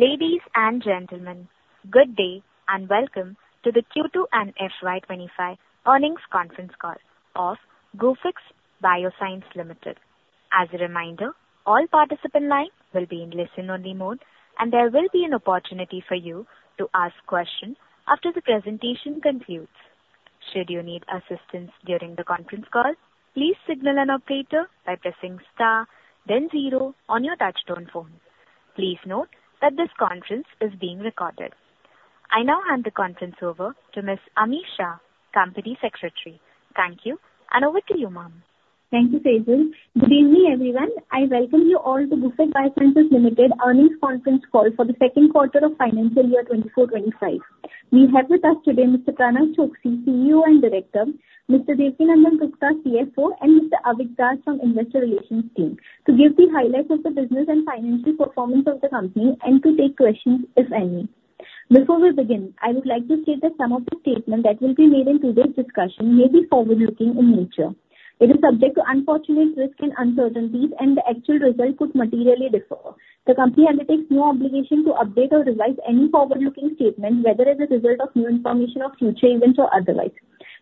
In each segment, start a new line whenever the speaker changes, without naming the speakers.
Ladies and gentlemen, good day and welcome to the Q2 and FY 2025 Earnings Conference Call of Gufic Biosciences Limited. As a reminder, all participants will be in listen-only mode, and there will be an opportunity for you to ask questions after the presentation concludes. Should you need assistance during the conference call, please signal an operator by pressing star, then zero on your touch-tone phone. Please note that this conference is being recorded. I now hand the conference over to Ms. Ami Shah, Company Secretary. Thank you, and over to you, ma'am.
Thank you, Faisal. Good evening, everyone. I welcome you all to Gufic Biosciences Limited Earnings Conference Call for the Q2 of financial year 2024/2025. We have with us today Mr. Pranav Choksi, CEO and Director; Mr. Devkinandan Roonghta, CFO; and Mr. Avik Das from the Investor Relations team, to give the highlights of the business and financial performance of the company and to take questions, if any. Before we begin, I would like to state that some of the statements that will be made in today's discussion may be forward-looking in nature. They are subject to inherent risks and uncertainties, and the actual results could materially differ. The company undertakes no obligation to update or revise any forward-looking statement, whether as a result of new information or future events or otherwise.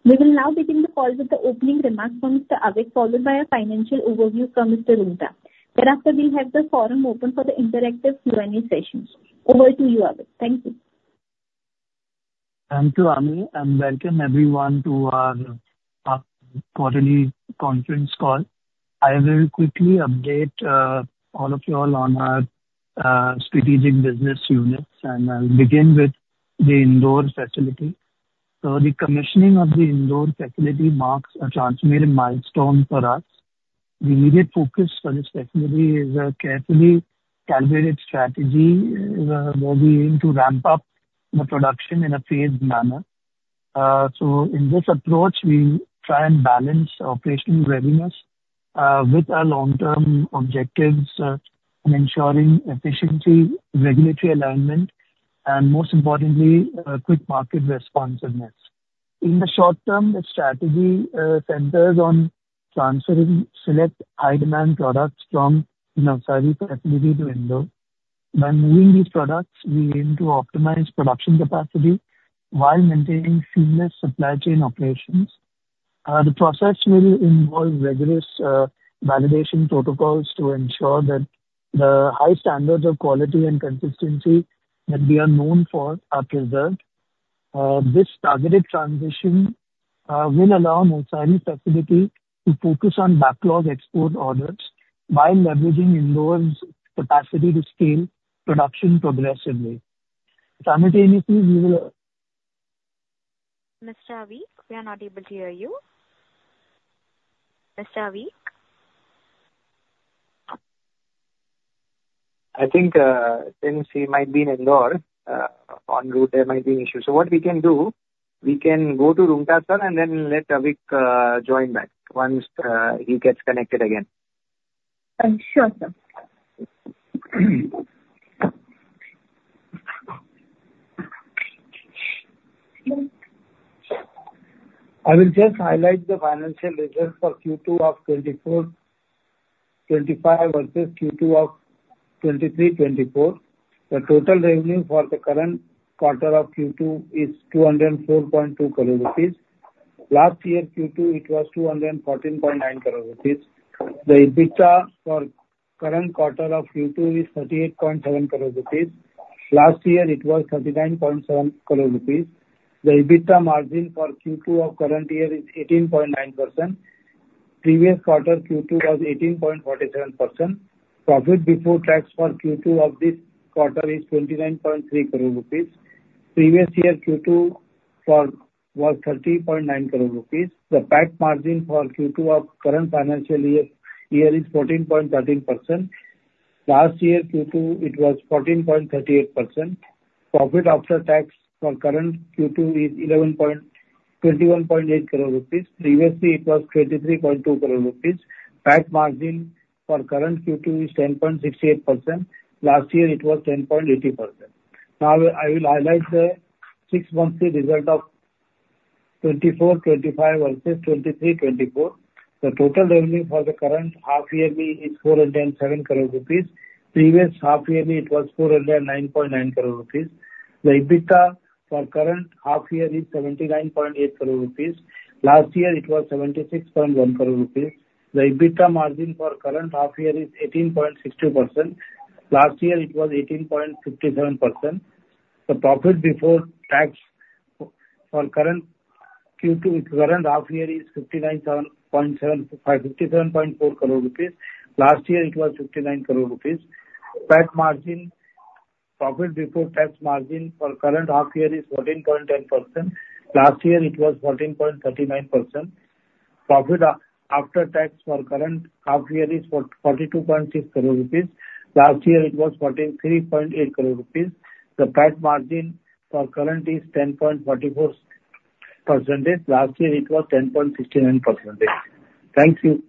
We will now begin the call with the opening remarks from Mr. Avik, followed by a financial overview from Mr. Roonghta. Thereafter, we'll have the forum open for the interactive Q&A sessions. Over to you, Avik. Thank you.
Thank you, Ami, and welcome everyone to our quarterly conference call. I will quickly update all of you all on our strategic business units, and I'll begin with the Indore facility. The commissioning of the Indore facility marks a transformative milestone for us. The immediate focus for this facility is a carefully calibrated strategy where we aim to ramp up the production in a phased manner. In this approach, we try and balance operational readiness with our long-term objectives and ensuring efficiency, regulatory alignment, and most importantly, quick market responsiveness. In the short term, the strategy centers on transferring select high-demand products from an outside facility to Indore. By moving these products, we aim to optimize production capacity while maintaining seamless supply chain operations. The process will involve rigorous validation protocols to ensure that the high standards of quality and consistency that we are known for are preserved. This targeted transition will allow an outside facility to focus on backlog export orders while leveraging Indore's capacity to scale production progressively. Simultaneously, we will...
Mr. Avik? We are not able to hear you. Mr. Avik?
I think, as you can see, he might be in Indore en route, there might be an issue. So, what we can do, we can go to Roonghta, sir, and then let Avik join back once he gets connected again.
Sure, sir.
I will just highlight the financial results for Q2 of 2024/2025 versus Q2 of 2023/2024. The total revenue for the current quarter of Q2 is 204.2 crore rupees. Last year, Q2, it was 214.9 crore rupees. The EBITDA for the current quarter of Q2 is 38.7 crore rupees. Last year, it was 39.7 crore rupees. The EBITDA margin for Q2 of the current year is 18.9%. The previous quarter Q2 was 18.47%. Profit before tax for Q2 of this quarter is 29.3 crore rupees. The previous year Q2 was 30.9 crore rupees. The PAT margin for Q2 of the current financial year is 14.13%. Last year, Q2, it was 14.38%. Profit after tax for the current Q2 is INR 21.8 crore. Previously, it was INR 23.2 crore. PAT margin for the current Q2 is 10.68%. Last year, it was 10.80%. Now, I will highlight the six-monthly result of 2024/2025 versus 2023/2024. The total revenue for the current half-yearly is 407 crore rupees. The previous half-yearly, it was 409.9 crore rupees. The EBITDA for the current half-year is 79.8 crore rupees. Last year, it was 76.1 crore rupees. The EBITDA margin for the current half-year is 18.62%. Last year, it was 18.57%. The profit before tax for the current half-year is 57.4 crore rupees. Last year, it was 59 crore rupees. PBT margin, profit before tax margin for the current half-year is 14.10%. Last year, it was 14.39%. Profit after tax for the current half-year is 42.6 crore rupees. Last year, it was 43.8 crore rupees. The PAT margin for the current is 10.44%. Last year, it was 10.69%. Thank you.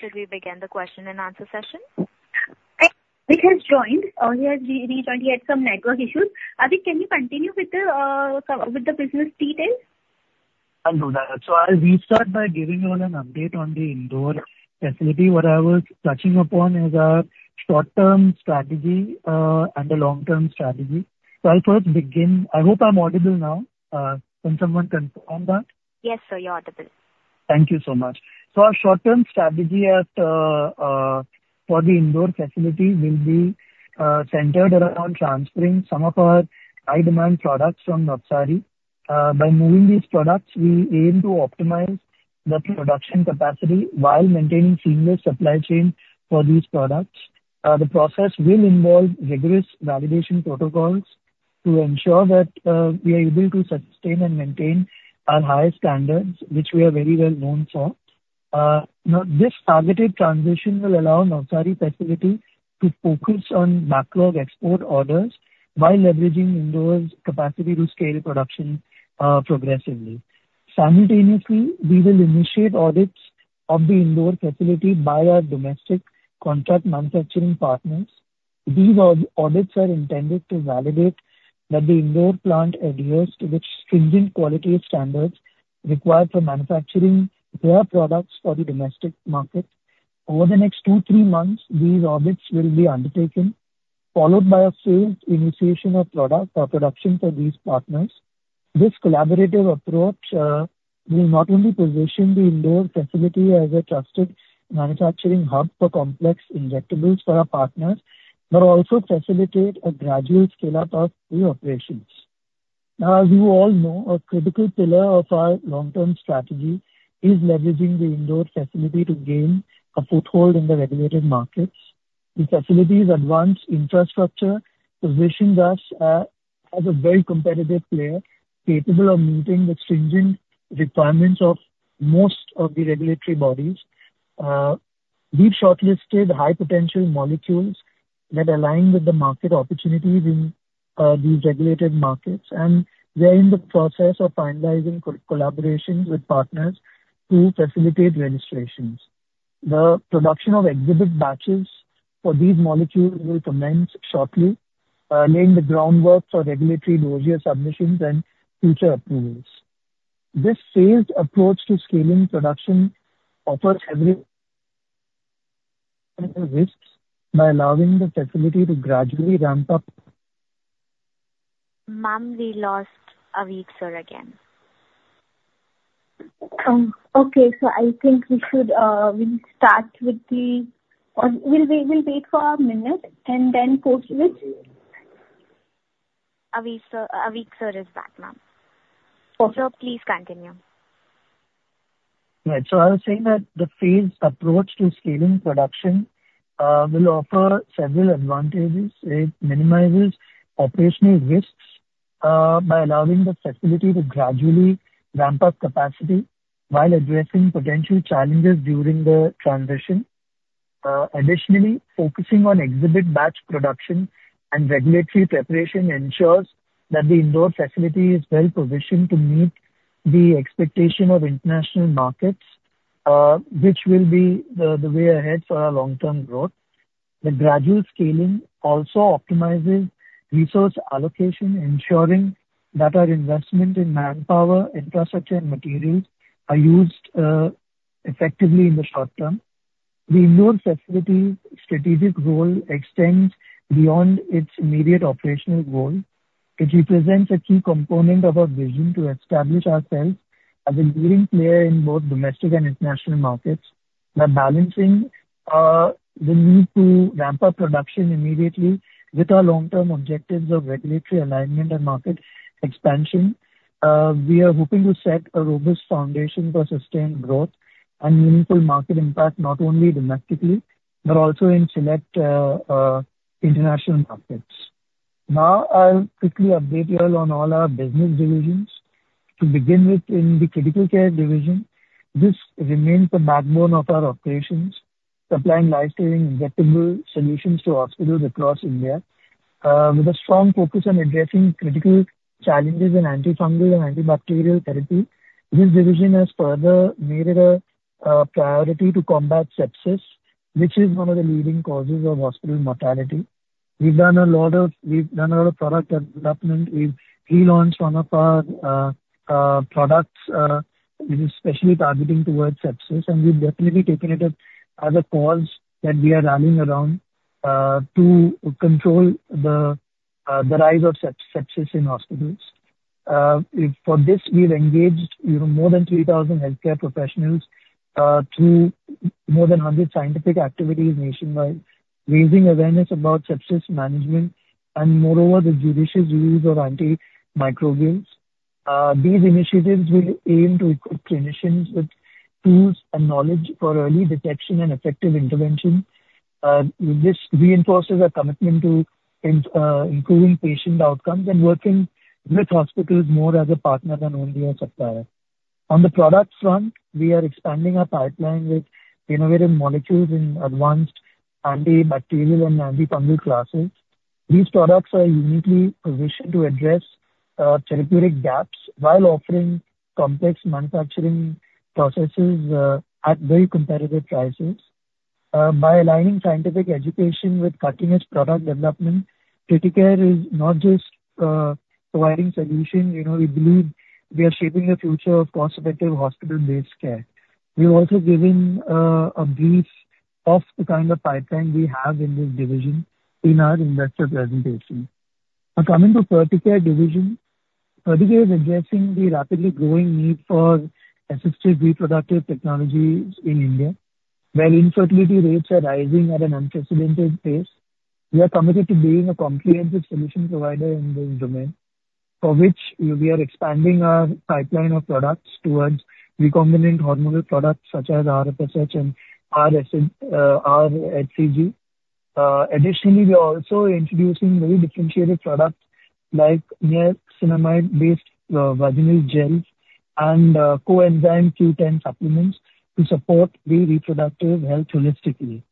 Should we begin the question-and-answer session?
Avik has joined. Earlier, he joined. He had some network issues. Avik, can you continue with the business details?
I'll do that. I'll restart by giving you all an update on the Indore facility. What I was touching upon is our short-term strategy and the long-term strategy. I'll first begin. I hope I'm audible now. Can someone confirm that?
Yes, sir, you're audible.
Thank you so much. So, our short-term strategy for the Indore facility will be centered around transferring some of our high-demand products from outside. By moving these products, we aim to optimize the production capacity while maintaining seamless supply chain for these products. The process will involve rigorous validation protocols to ensure that we are able to sustain and maintain our high standards, which we are very well known for. Now, this targeted transition will allow the outside facility to focus on backlog export orders while leveraging Indore's capacity to scale production progressively. Simultaneously, we will initiate audits of the Indore facility by our domestic contract manufacturing partners. These audits are intended to validate that the Indore plant adheres to the stringent quality standards required for manufacturing their products for the domestic market. Over the next two to three months, these audits will be undertaken, followed by a phased initiation of production for these partners. This collaborative approach will not only position the Indore facility as a trusted manufacturing hub for complex injectables for our partners, but also facilitate a gradual scale-up of the operations. Now, as you all know, a critical pillar of our long-term strategy is leveraging the Indore facility to gain a foothold in the regulated markets. The facility's advanced infrastructure positions us as a very competitive player, capable of meeting the stringent requirements of most of the regulatory bodies. We've shortlisted high-potential molecules that align with the market opportunities in these regulated markets, and we're in the process of finalizing collaborations with partners to facilitate registrations. The production of exhibit batches for these molecules will commence shortly, laying the groundwork for regulatory dossier submissions and future approvals. This phased approach to scaling production offers heavy risks by allowing the facility to gradually ramp up....
Ma'am, we lost Avik, sir, again.
Okay, so I think we'll wait for a minute and then go to it.
Avik, sir, is back, ma'am. Sir, please continue.
Right, so I was saying that the phased approach to scaling production will offer several advantages. It minimizes operational risks by allowing the facility to gradually ramp up capacity while addressing potential challenges during the transition. Additionally, focusing on exhibit batch production and regulatory preparation ensures that the Indore facility is well-positioned to meet the expectation of international markets, which will be the way ahead for our long-term growth. The gradual scaling also optimizes resource allocation, ensuring that our investment in manpower, infrastructure, and materials are used effectively in the short term. The Indore facility's strategic role extends beyond its immediate operational goal, which represents a key component of our vision to establish ourselves as a leading player in both domestic and international markets. By balancing the need to ramp up production immediately with our long-term objectives of regulatory alignment and market expansion, we are hoping to set a robust foundation for sustained growth and meaningful market impact not only domestically but also in select international markets. Now, I'll quickly update you all on all our business divisions. To begin with, in the Critical Care division, this remains the backbone of our operations: supplying lifesaving injectable solutions to hospitals across India. With a strong focus on addressing critical challenges in antifungal and antibacterial therapy, this division has further made it a priority to combat sepsis, which is one of the leading causes of hospital mortality. We've done a lot of product development. We've relaunched one of our products, especially targeting towards sepsis, and we've definitely taken it as a cause that we are rallying around to control the rise of sepsis in hospitals. For this, we've engaged more than 3,000 healthcare professionals through more than 100 scientific activities nationwide, raising awareness about sepsis management and, moreover, the judicious use of antimicrobials. These initiatives will aim to equip clinicians with tools and knowledge for early detection and effective intervention. This reinforces our commitment to improving patient outcomes and working with hospitals more as a partner than only a supplier. On the product front, we are expanding our pipeline with innovative molecules in advanced antibacterial and antifungal classes. These products are uniquely positioned to address therapeutic gaps while offering complex manufacturing processes at very competitive prices. By aligning scientific education with cutting-edge product development, Critical Care is not just providing solutions. We believe we are shaping the future of cost-effective hospital-based care. We've also given a brief of the kind of pipeline we have in this division in our investor presentation. Now, coming to the Ferticare division, Ferticare is addressing the rapidly growing need for assisted reproductive technologies in India. While infertility rates are rising at an unprecedented pace, we are committed to being a comprehensive solution provider in this domain, for which we are expanding our pipeline of products towards recombinant hormonal products such as rFSH and rHCG. Additionally, we are also introducing very differentiated products like niacinamide-based vaginal gels and Coenzyme Q10 supplements to support the reproductive health holistically.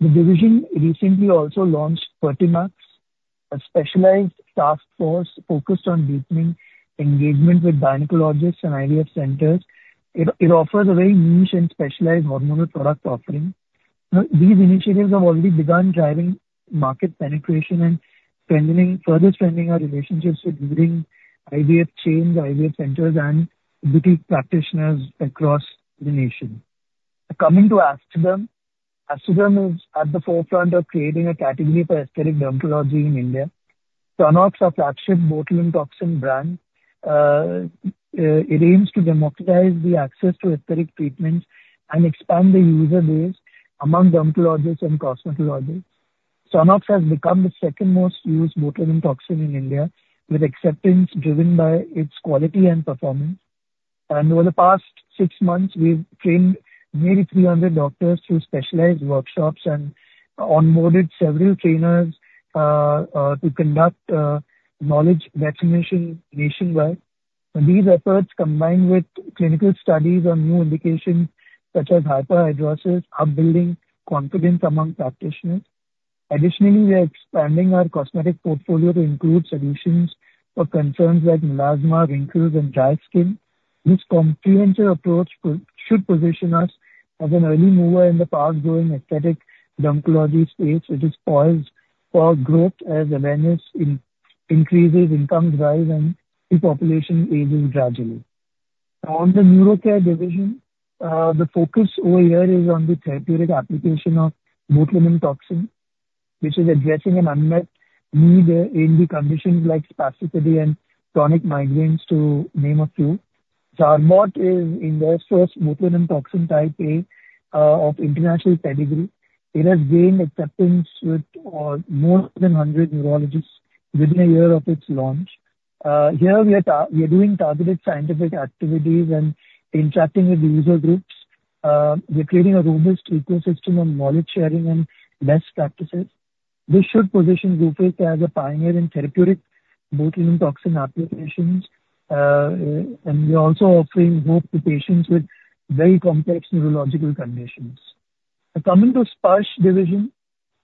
The division recently also launched 30MAX, a specialized task force focused on deepening engagement with gynecologists and IVF centers. It offers a very niche and specialized hormonal product offering. These initiatives have already begun driving market penetration and further strengthening our relationships with leading IVF chains, IVF centers, and boutique practitioners across the nation. Coming to Aesthaderm, Aesthaderm is at the forefront of creating a category for aesthetic dermatology in India. Stunnox, our flagship botulinum toxin brand, aims to democratize the access to aesthetic treatments and expand the user base among dermatologists and cosmetologists. Stunnox has become the second most used botulinum toxin in India, with acceptance driven by its quality and performance. And over the past six months, we've trained nearly 300 doctors through specialized workshops and onboarded several trainers to conduct knowledge vaccination nationwide. These efforts, combined with clinical studies on new indications such as hyperhidrosis, are building confidence among practitioners. Additionally, we are expanding our cosmetic portfolio to include solutions for concerns like melasma, wrinkles, and dry skin. This comprehensive approach should position us as an early mover in the fast-growing aesthetic dermatology space, which is poised for growth as awareness increases, incomes rise, and the population ages gradually. Now, on the neuro care division, the focus over here is on the therapeutic application of botulinum toxin, which is addressing an unmet need in conditions like spasticity and chronic migraines, to name a few. Zarbot is India's first botulinum toxin Type A of international pedigree. It has gained acceptance with more than 100 neurologists within a year of its launch. Here, we are doing targeted scientific activities and interacting with user groups. We're creating a robust ecosystem of knowledge sharing and best practices. This should position Gufic as a pioneer in therapeutic botulinum toxin applications, and we're also offering hope to patients with very complex neurological conditions. Now, coming to the Sparsh division,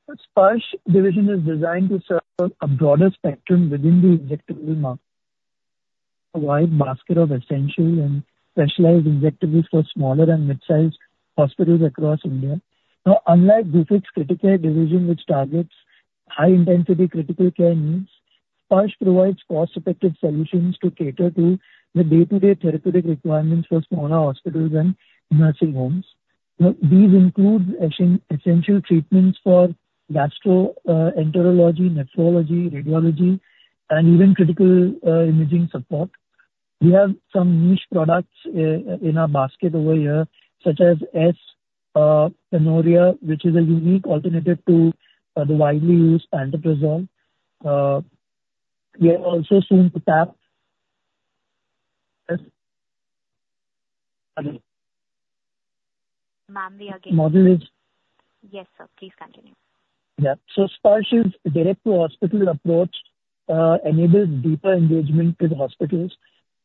the Sparsh division is designed to serve a broader spectrum within the injectable market, a wide basket of essential and specialized injectables for smaller and mid-sized hospitals across India. Now, unlike Gufic's critical care division, which targets high-intensity critical care needs, Sparsh provides cost-effective solutions to cater to the day-to-day therapeutic requirements for smaller hospitals and nursing homes. These include essential treatments for gastroenterology, nephrology, radiology, and even critical imaging support. We have some niche products in our basket over here, such as S-Pantoprazole, which is a unique alternative to the widely used pantoprazole. We are also soon to tap.
Ma'am, we are getting.
Model is...
Yes, sir, please continue.
Yeah. So, Sparsh is a direct-to-hospital approach that enables deeper engagement with hospitals.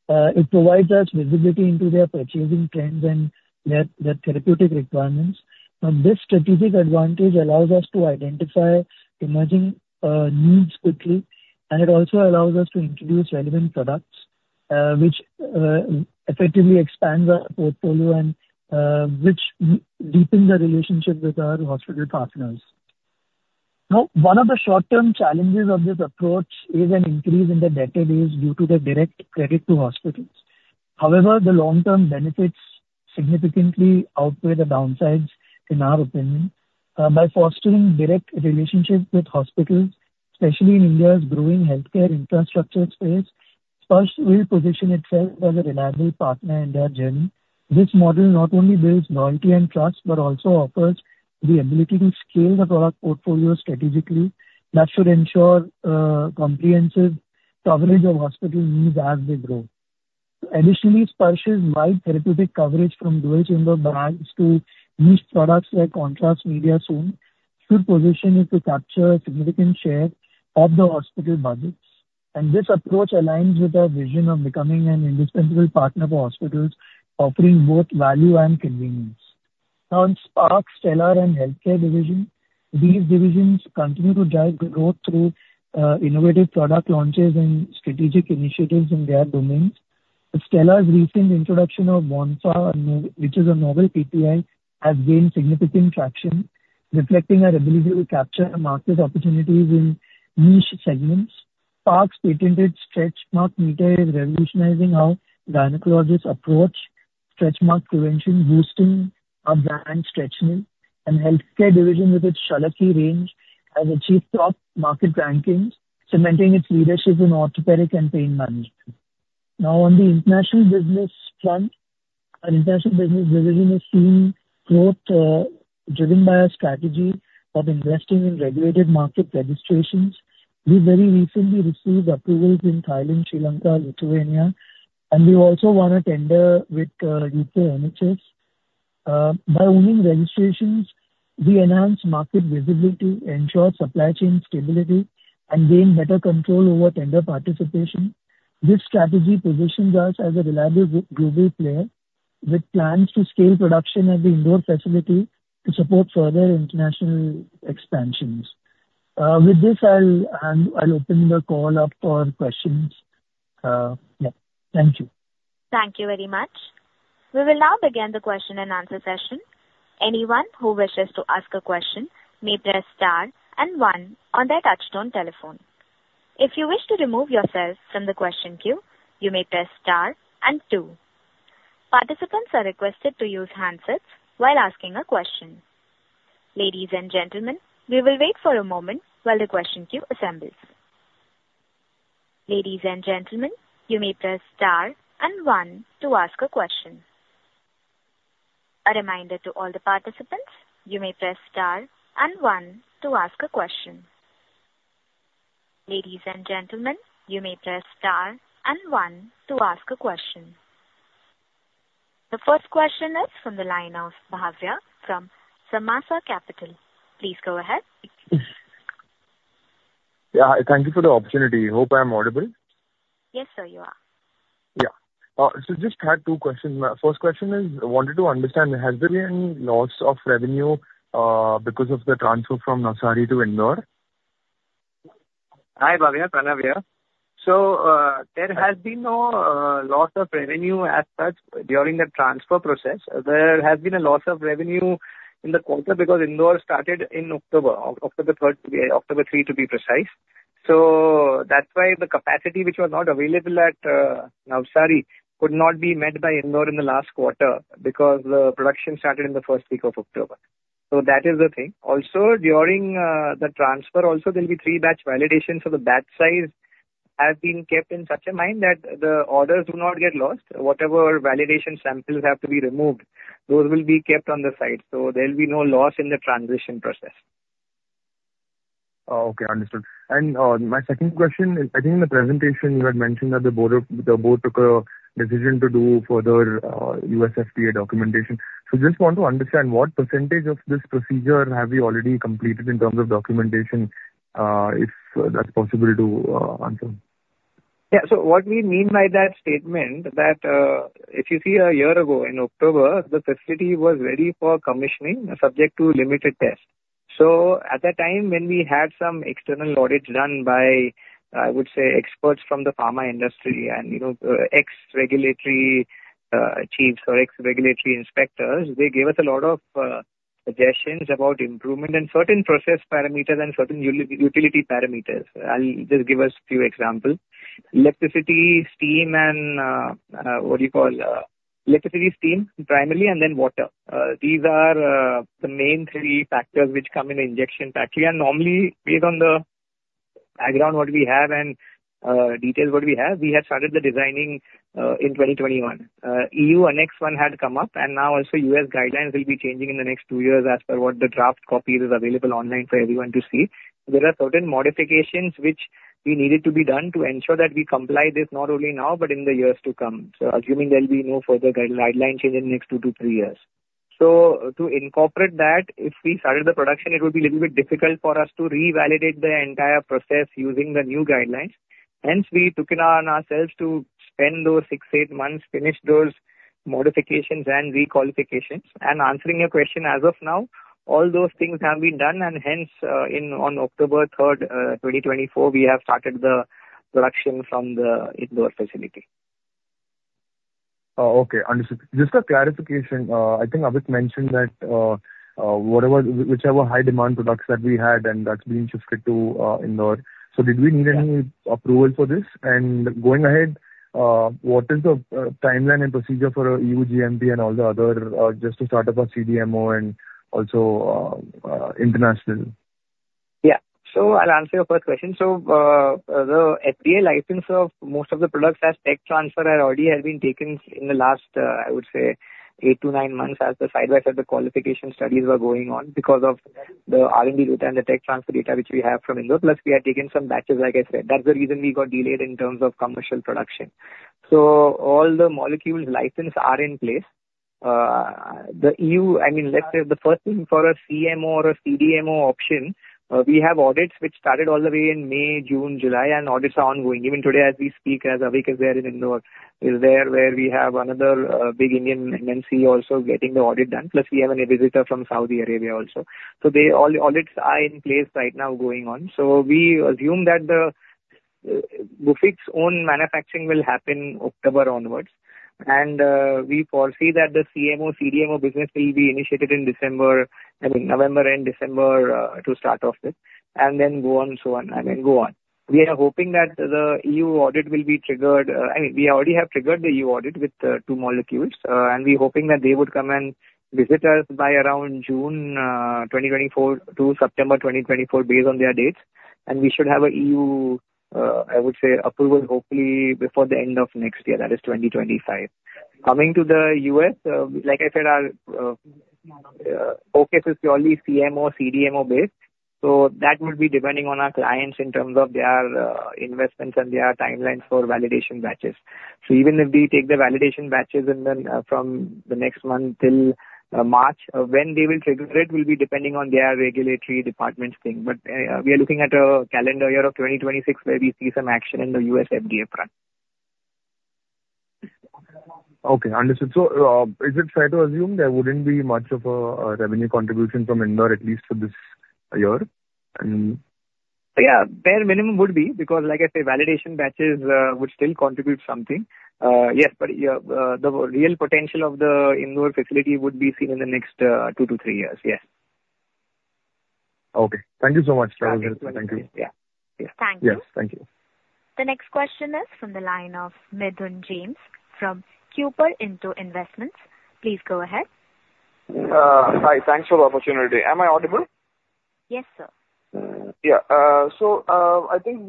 It provides us visibility into their purchasing trends and their therapeutic requirements. This strategic advantage allows us to identify emerging needs quickly, and it also allows us to introduce relevant products, which effectively expands our portfolio and deepens our relationship with our hospital partners. Now, one of the short-term challenges of this approach is an increase in the debt levers due to the direct credit to hospitals. However, the long-term benefits significantly outweigh the downsides, in our opinion. By fostering direct relationships with hospitals, especially in India's growing healthcare infrastructure space, Sparsh will position itself as a reliable partner in their journey. This model not only builds loyalty and trust but also offers the ability to scale the product portfolio strategically. That should ensure comprehensive coverage of hospital needs as they grow. Additionally, Sparsh's wide therapeutic coverage, from dual-chamber bags to niche products like contrast media soon, should position it to capture a significant share of the hospital budgets, and this approach aligns with our vision of becoming an indispensable partner for hospitals, offering both value and convenience. Now, in Spark, Stellar, and Healthcare division, these divisions continue to drive growth through innovative product launches and strategic initiatives in their domains. Stellar's recent introduction of Vanza, which is a novel PPI, has gained significant traction, reflecting our ability to capture market opportunities in niche segments. Spark's patented stretch mark meter is revolutionizing how gynecologists approach stretch mark prevention, boosting our brand StretchNil, and Healthcare division, with its Sallaki range, has achieved top market rankings, cementing its leadership in orthopedic and pain management. Now, on the International business front, our International business division is seeing growth driven by our strategy of investing in regulated market registrations. We very recently received approvals in Thailand, Sri Lanka, Lithuania, and we also won a tender with U.K. NHS. By owning registrations, we enhance market visibility, ensure supply chain stability, and gain better control over tender participation. This strategy positions us as a reliable global player with plans to scale production at the Indore facility to support further international expansions. With this, I'll open the call up for questions. Yeah, thank you.
Thank you very much. We will now begin the question-and-answer session. Anyone who wishes to ask a question may press star and one on their touch-tone telephone. If you wish to remove yourself from the question queue, you may press star and two. Participants are requested to use handsets while asking a question. Ladies and gentlemen, we will wait for a moment while the question queue assembles. Ladies and gentlemen, you may press star and one to ask a question. A reminder to all the participants, you may press star and one to ask a question. Ladies and gentlemen, you may press star and one to ask a question. The first question is from the line of Bhavya from Samaasa Capital. Please go ahead.
Yeah, thank you for the opportunity. Hope I'm audible.
Yes, sir, you are.
Yeah. So just had two questions. My first question is, I wanted to understand, has there been loss of revenue because of the transfer from Navsari to Indore?
Hi, Bhavya, Pranav here. So there has been no loss of revenue as such during the transfer process. There has been a loss of revenue in the quarter because Indore started in October, October 3rd, to be precise. So that's why the capacity, which was not available at Navsari, could not be met by Indore in the last quarter because the production started in the first week of October. So that is the thing. Also, during the transfer, there will be three batch validations for the batch size. Have been kept in such a manner that the orders do not get lost. Whatever validation samples have to be removed, those will be kept on the side. So there will be no loss in the transition process.
Okay, understood, and my second question, I think in the presentation, you had mentioned that the board took a decision to do further USFDA documentation. So just want to understand, what percentage of this procedure have we already completed in terms of documentation? If that's possible to answer.
Yeah, so what we mean by that statement, that if you see a year ago in October, the facility was ready for commissioning, subject to limited tests. So at that time, when we had some external audits done by, I would say, experts from the pharma industry and ex-regulatory chiefs or ex-regulatory inspectors, they gave us a lot of suggestions about improvement and certain process parameters and certain utility parameters. I'll just give us a few examples. Electricity, steam, and what do you call electricity steam primarily, and then water. These are the main three factors which come in the injection pack. We are normally based on the background, what we have, and details what we have. We had started the designing in 2021. EU Annex 1 had come up, and now also U.S. guidelines will be changing in the next two years as per what the draft copy is available online for everyone to see. There are certain modifications which we needed to be done to ensure that we comply with this not only now, but in the years to come. Assuming there will be no further guideline change in the next two to three years, to incorporate that, if we started the production, it would be a little bit difficult for us to revalidate the entire process using the new guidelines. Hence, we took it on ourselves to spend those six, eight months, finish those modifications and requalifications and answering your question, as of now, all those things have been done, and hence, on October 3rd, 2024, we have started the production from the Indore facility.
Okay, understood. Just a clarification, I think Avik mentioned that whichever high-demand products that we had, and that's being shifted to Indore. So did we need any approval for this? And going ahead, what is the timeline and procedure for EU GMP and all the other, just to start up a CDMO and also International?
Yeah, so I'll answer your first question. So the FDA license of most of the products as tech transfer already has been taken in the last, I would say, eight to nine months as the side-by-side qualification studies were going on because of the R&D data and the tech transfer data which we have from Indore. Plus, we had taken some batches, like I said. That's the reason we got delayed in terms of commercial production. So all the molecules licensed are in place. The EU, I mean, let's say the first thing for a CMO or a CDMO option, we have audits which started all the way in May, June, July, and audits are ongoing. Even today, as we speak, as Avik is there in Indore, is there where we have another big Indian MNC also getting the audit done. Plus, we have a visitor from Saudi Arabia also. So all the audits are in place right now going on. We assume that Gufic's own manufacturing will happen October onwards. We foresee that the CMO, CDMO business will be initiated in November and December to start off with, and then go on so on, and then go on. We are hoping that the EU audit will be triggered. I mean, we already have triggered the EU audit with two molecules, and we're hoping that they would come and visit us by around June-September 2024 based on their dates. We should have an EU, I would say, approval hopefully before the end of next year. That is 2025. Coming to the U.S., like I said, our focus is purely CMO, CDMO based. That would be depending on our clients in terms of their investments and their timelines for validation batches. So even if we take the validation batches from the next month till March, when they will trigger it will be depending on their regulatory department's thing. But we are looking at a calendar year of 2026 where we see some action in the USFDA front.
Okay, understood. So is it fair to assume there wouldn't be much of a revenue contribution from Indore, at least for this year?
Yeah, bare minimum would be because, like I said, validation batches would still contribute something. Yes, but the real potential of the Indore facility would be seen in the next two to three years. Yes.
Okay, thank you so much. That was helpful. Thank you.
Yeah.
Thank you.
Yes, thank you.
The next question is from the line of Mithun James from Kuber India Investments. Please go ahead. Hi, thanks for the opportunity. Am I audible? Yes, sir. Yeah, so I think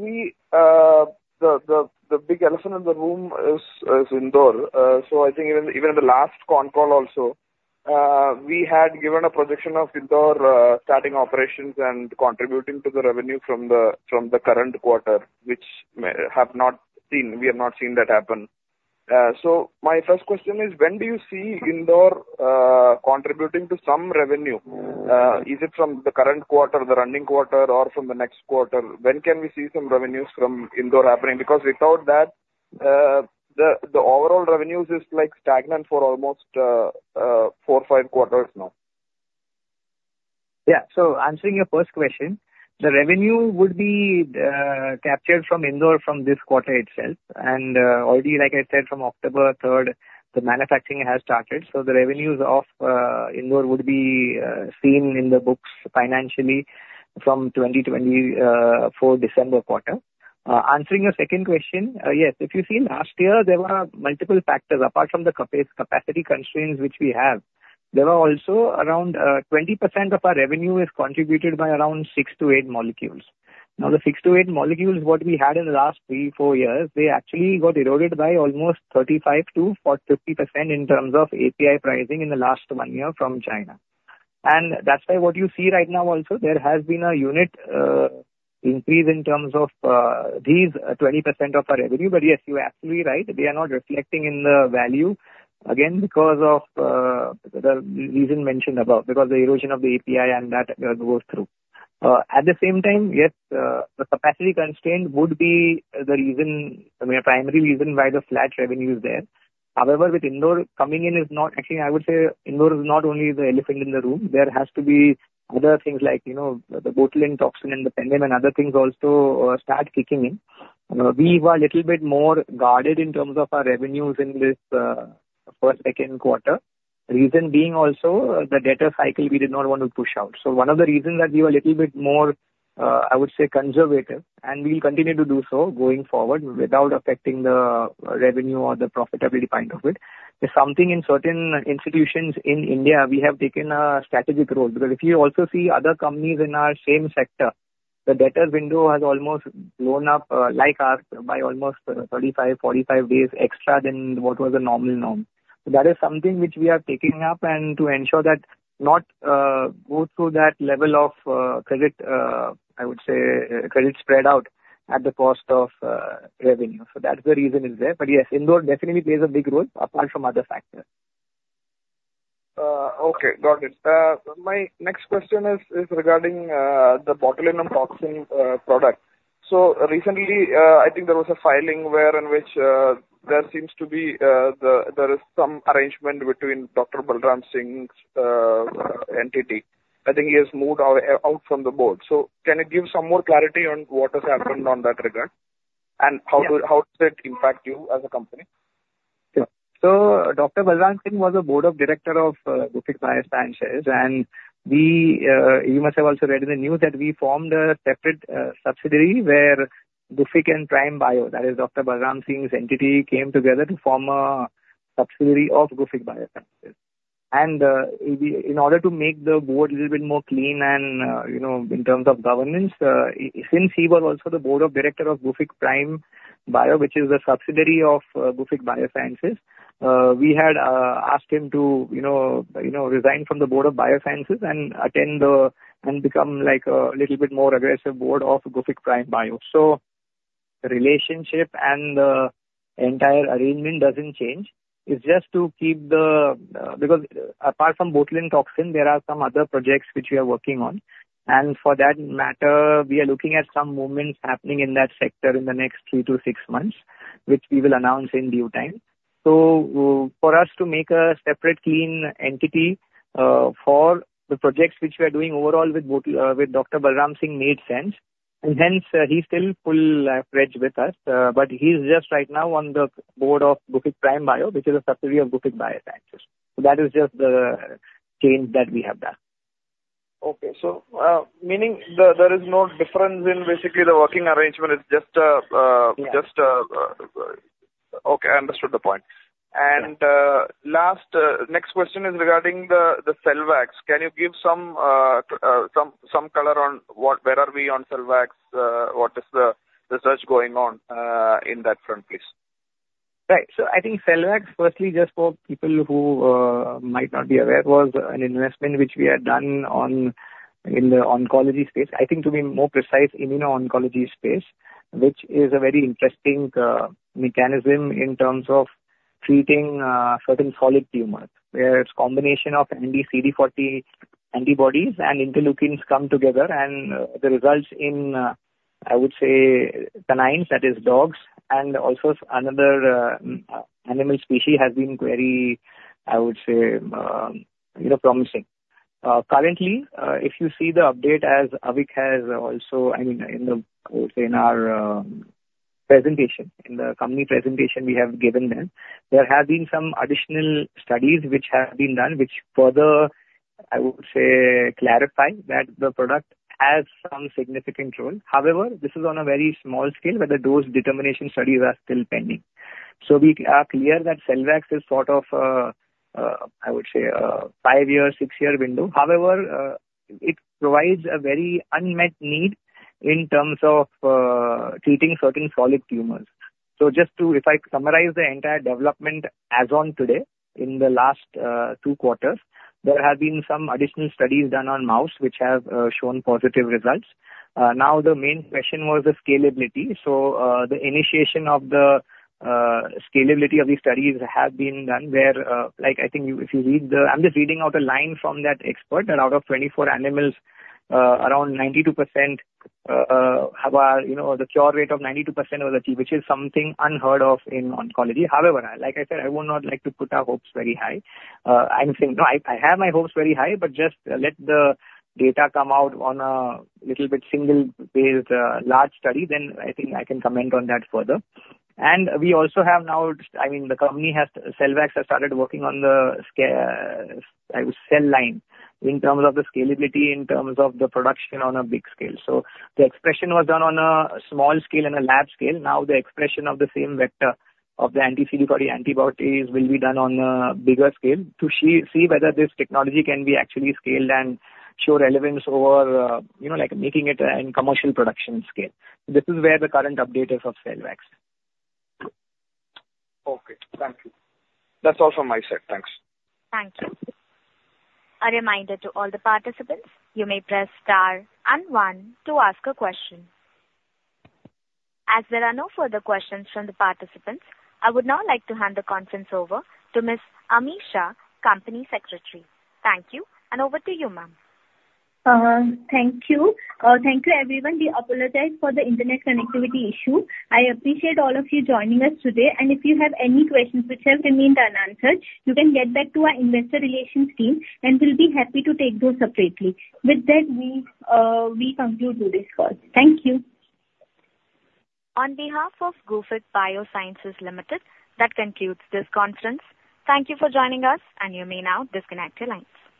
the big elephant in the room is Indore. So I think even in the last con call also, we had given a projection of Indore starting operations and contributing to the revenue from the current quarter, which we have not seen happen. So my first question is, when do you see Indore contributing to some revenue? Is it from the current quarter, the running quarter, or from the next quarter? When can we see some revenues from Indore happening? Because without that, the overall revenues is stagnant for almost 4/5Qs.
Yeah, so answering your first question, the revenue would be captured from Indore from this quarter itself. And already, like I said, from October 3rd, the manufacturing has started. So the revenues of Indore would be seen in the books financially from 2024 December quarter. Answering your second question, yes, if you see last year, there were multiple factors. Apart from the capacity constraints which we have, there were also around 20% of our revenue is contributed by around six to eight molecules. Now, the six to eight molecules, what we had in the last three, four years, they actually got eroded by almost 35%-50% in terms of API pricing in the last one year from China. And that's why what you see right now also, there has been a unit increase in terms of these 20% of our revenue. But yes, you're absolutely right. They are not reflecting in the value, again, because of the reason mentioned above, because the erosion of the API and that goes through. At the same time, yes, the capacity constraint would be the reason, the primary reason why the flat revenue is there. However, with Indore, convenience is not actually, I would say Indore is not only the elephant in the room. There has to be other things like the botulinum toxin and the Penems and other things also start kicking in. We were a little bit more guarded in terms of our revenues in this first, Q2. Reason being also the data cycle, we did not want to push out. So one of the reasons that we were a little bit more, I would say, conservative, and we'll continue to do so going forward without affecting the revenue or the profitability point of it. There's something in certain institutions in India. We have taken a strategic role because if you also see other companies in our same sector, the data window has almost blown up by almost 35-45 days extra than what was the normal norm. That is something which we are taking up and to ensure that not go through that level of credit. I would say, credit spread out at the cost of revenue. So that's the reason it's there. But yes, Indore definitely plays a big role apart from other factors. Okay, got it. My next question is regarding the botulinum toxin product. So recently, I think there was a filing wherein which there seems to be some arrangement between Dr. Balram Singh's entity. I think he has moved out from the board. So can you give some more clarity on what has happened on that regard? And how did it impact you as a company? Dr. Balram Singh was a Board of Director of Gufic Biosciences. You must have also read in the news that we formed a separate subsidiary where Gufic and Prime Bio, that is Dr. Balram Singh's entity, came together to form a subsidiary of Gufic Biosciences. In order to make the Board a little bit more clean and in terms of governance, since he was also the board of director of Gufic Prime Bio, which is a subsidiary of Gufic Biosciences, we had asked him to resign from the board of Gufic Biosciences and attend and become like a little bit more aggressive board of Gufic Prime Bio. The relationship and the entire arrangement doesn't change. It's just to keep the because apart from botulinum toxin, there are some other projects which we are working on. And for that matter, we are looking at some movements happening in that sector in the next three to six months, which we will announce in due time. So for us to make a separate clean entity for the projects which we are doing overall with Dr. Balram Singh made sense. And hence, he's still full-fledged with us. But he's just right now on the board of Gufic Prime Bio, which is a subsidiary of Gufic Biosciences. So that is just the change that we have done. Okay, so meaning there is no difference in basically the working arrangement. It's just okay, I understood the point. And last next question is regarding the Selvax. Can you give some color on where are we on Selvax? What is the research going on in that front, please?
Right, so I think Selvax, firstly, just for people who might not be aware, was an investment which we had done in the oncology space. I think to be more precise, immuno-oncology space, which is a very interesting mechanism in terms of treating certain solid tumors where it's a combination of anti-CD40 antibodies and interleukins come together, and the results in, I would say, canines, that is dogs, and also another animal species has been very, I would say, promising. Currently, if you see the update as Avik has also, I mean, I would say in our presentation, in the company presentation we have given them, there have been some additional studies which have been done, which further, I would say, clarify that the product has some significant role. However, this is on a very small scale, where the dose determination studies are still pending. We are clear that Selvax is sort of, I would say, a five-year, six-year window. However, it provides a very unmet need in terms of treating certain solid tumors. Just to summarize the entire development as of today, in the last two quarters, there have been some additional studies done on mouse which have shown positive results. Now, the main question was the scalability. The initiation of the scalability of these studies has been done where, like I think if you read the I'm just reading out a line from that expert that out of 24 animals, around 92% have the cure rate of 92% was achieved, which is something unheard of in oncology. However, like I said, I would not like to put our hopes very high. I think, no, I have my hopes very high, but just let the data come out on a little bit single-page large study, then I think I can comment on that further. And we also have now, I mean, the company, Selvax, has started working on the cell line in terms of the scalability in terms of the production on a big scale. So the expression was done on a small scale and a lab scale. Now, the expression of the same vector of the anti-CD40 antibodies will be done on a bigger scale to see whether this technology can be actually scaled and show relevance over making it in commercial production scale. This is where the current update is of Selvax. Okay, thank you. That's all from my side. Thanks.
Thank you. A reminder to all the participants, you may press star and one to ask a question. As there are no further questions from the participants, I would now like to hand the conference over to Ms. Amisha, Company Secretary. Thank you. And over to you, ma'am.
Thank you. Thank you, everyone. We apologize for the internet connectivity issue. I appreciate all of you joining us today, and if you have any questions which have remained unanswered, you can get back to our investor relations team, and we'll be happy to take those separately. With that, we conclude today's call. Thank you.
On behalf of Gufic Biosciences Limited, that concludes this conference. Thank you for joining us, and you may now disconnect your lines.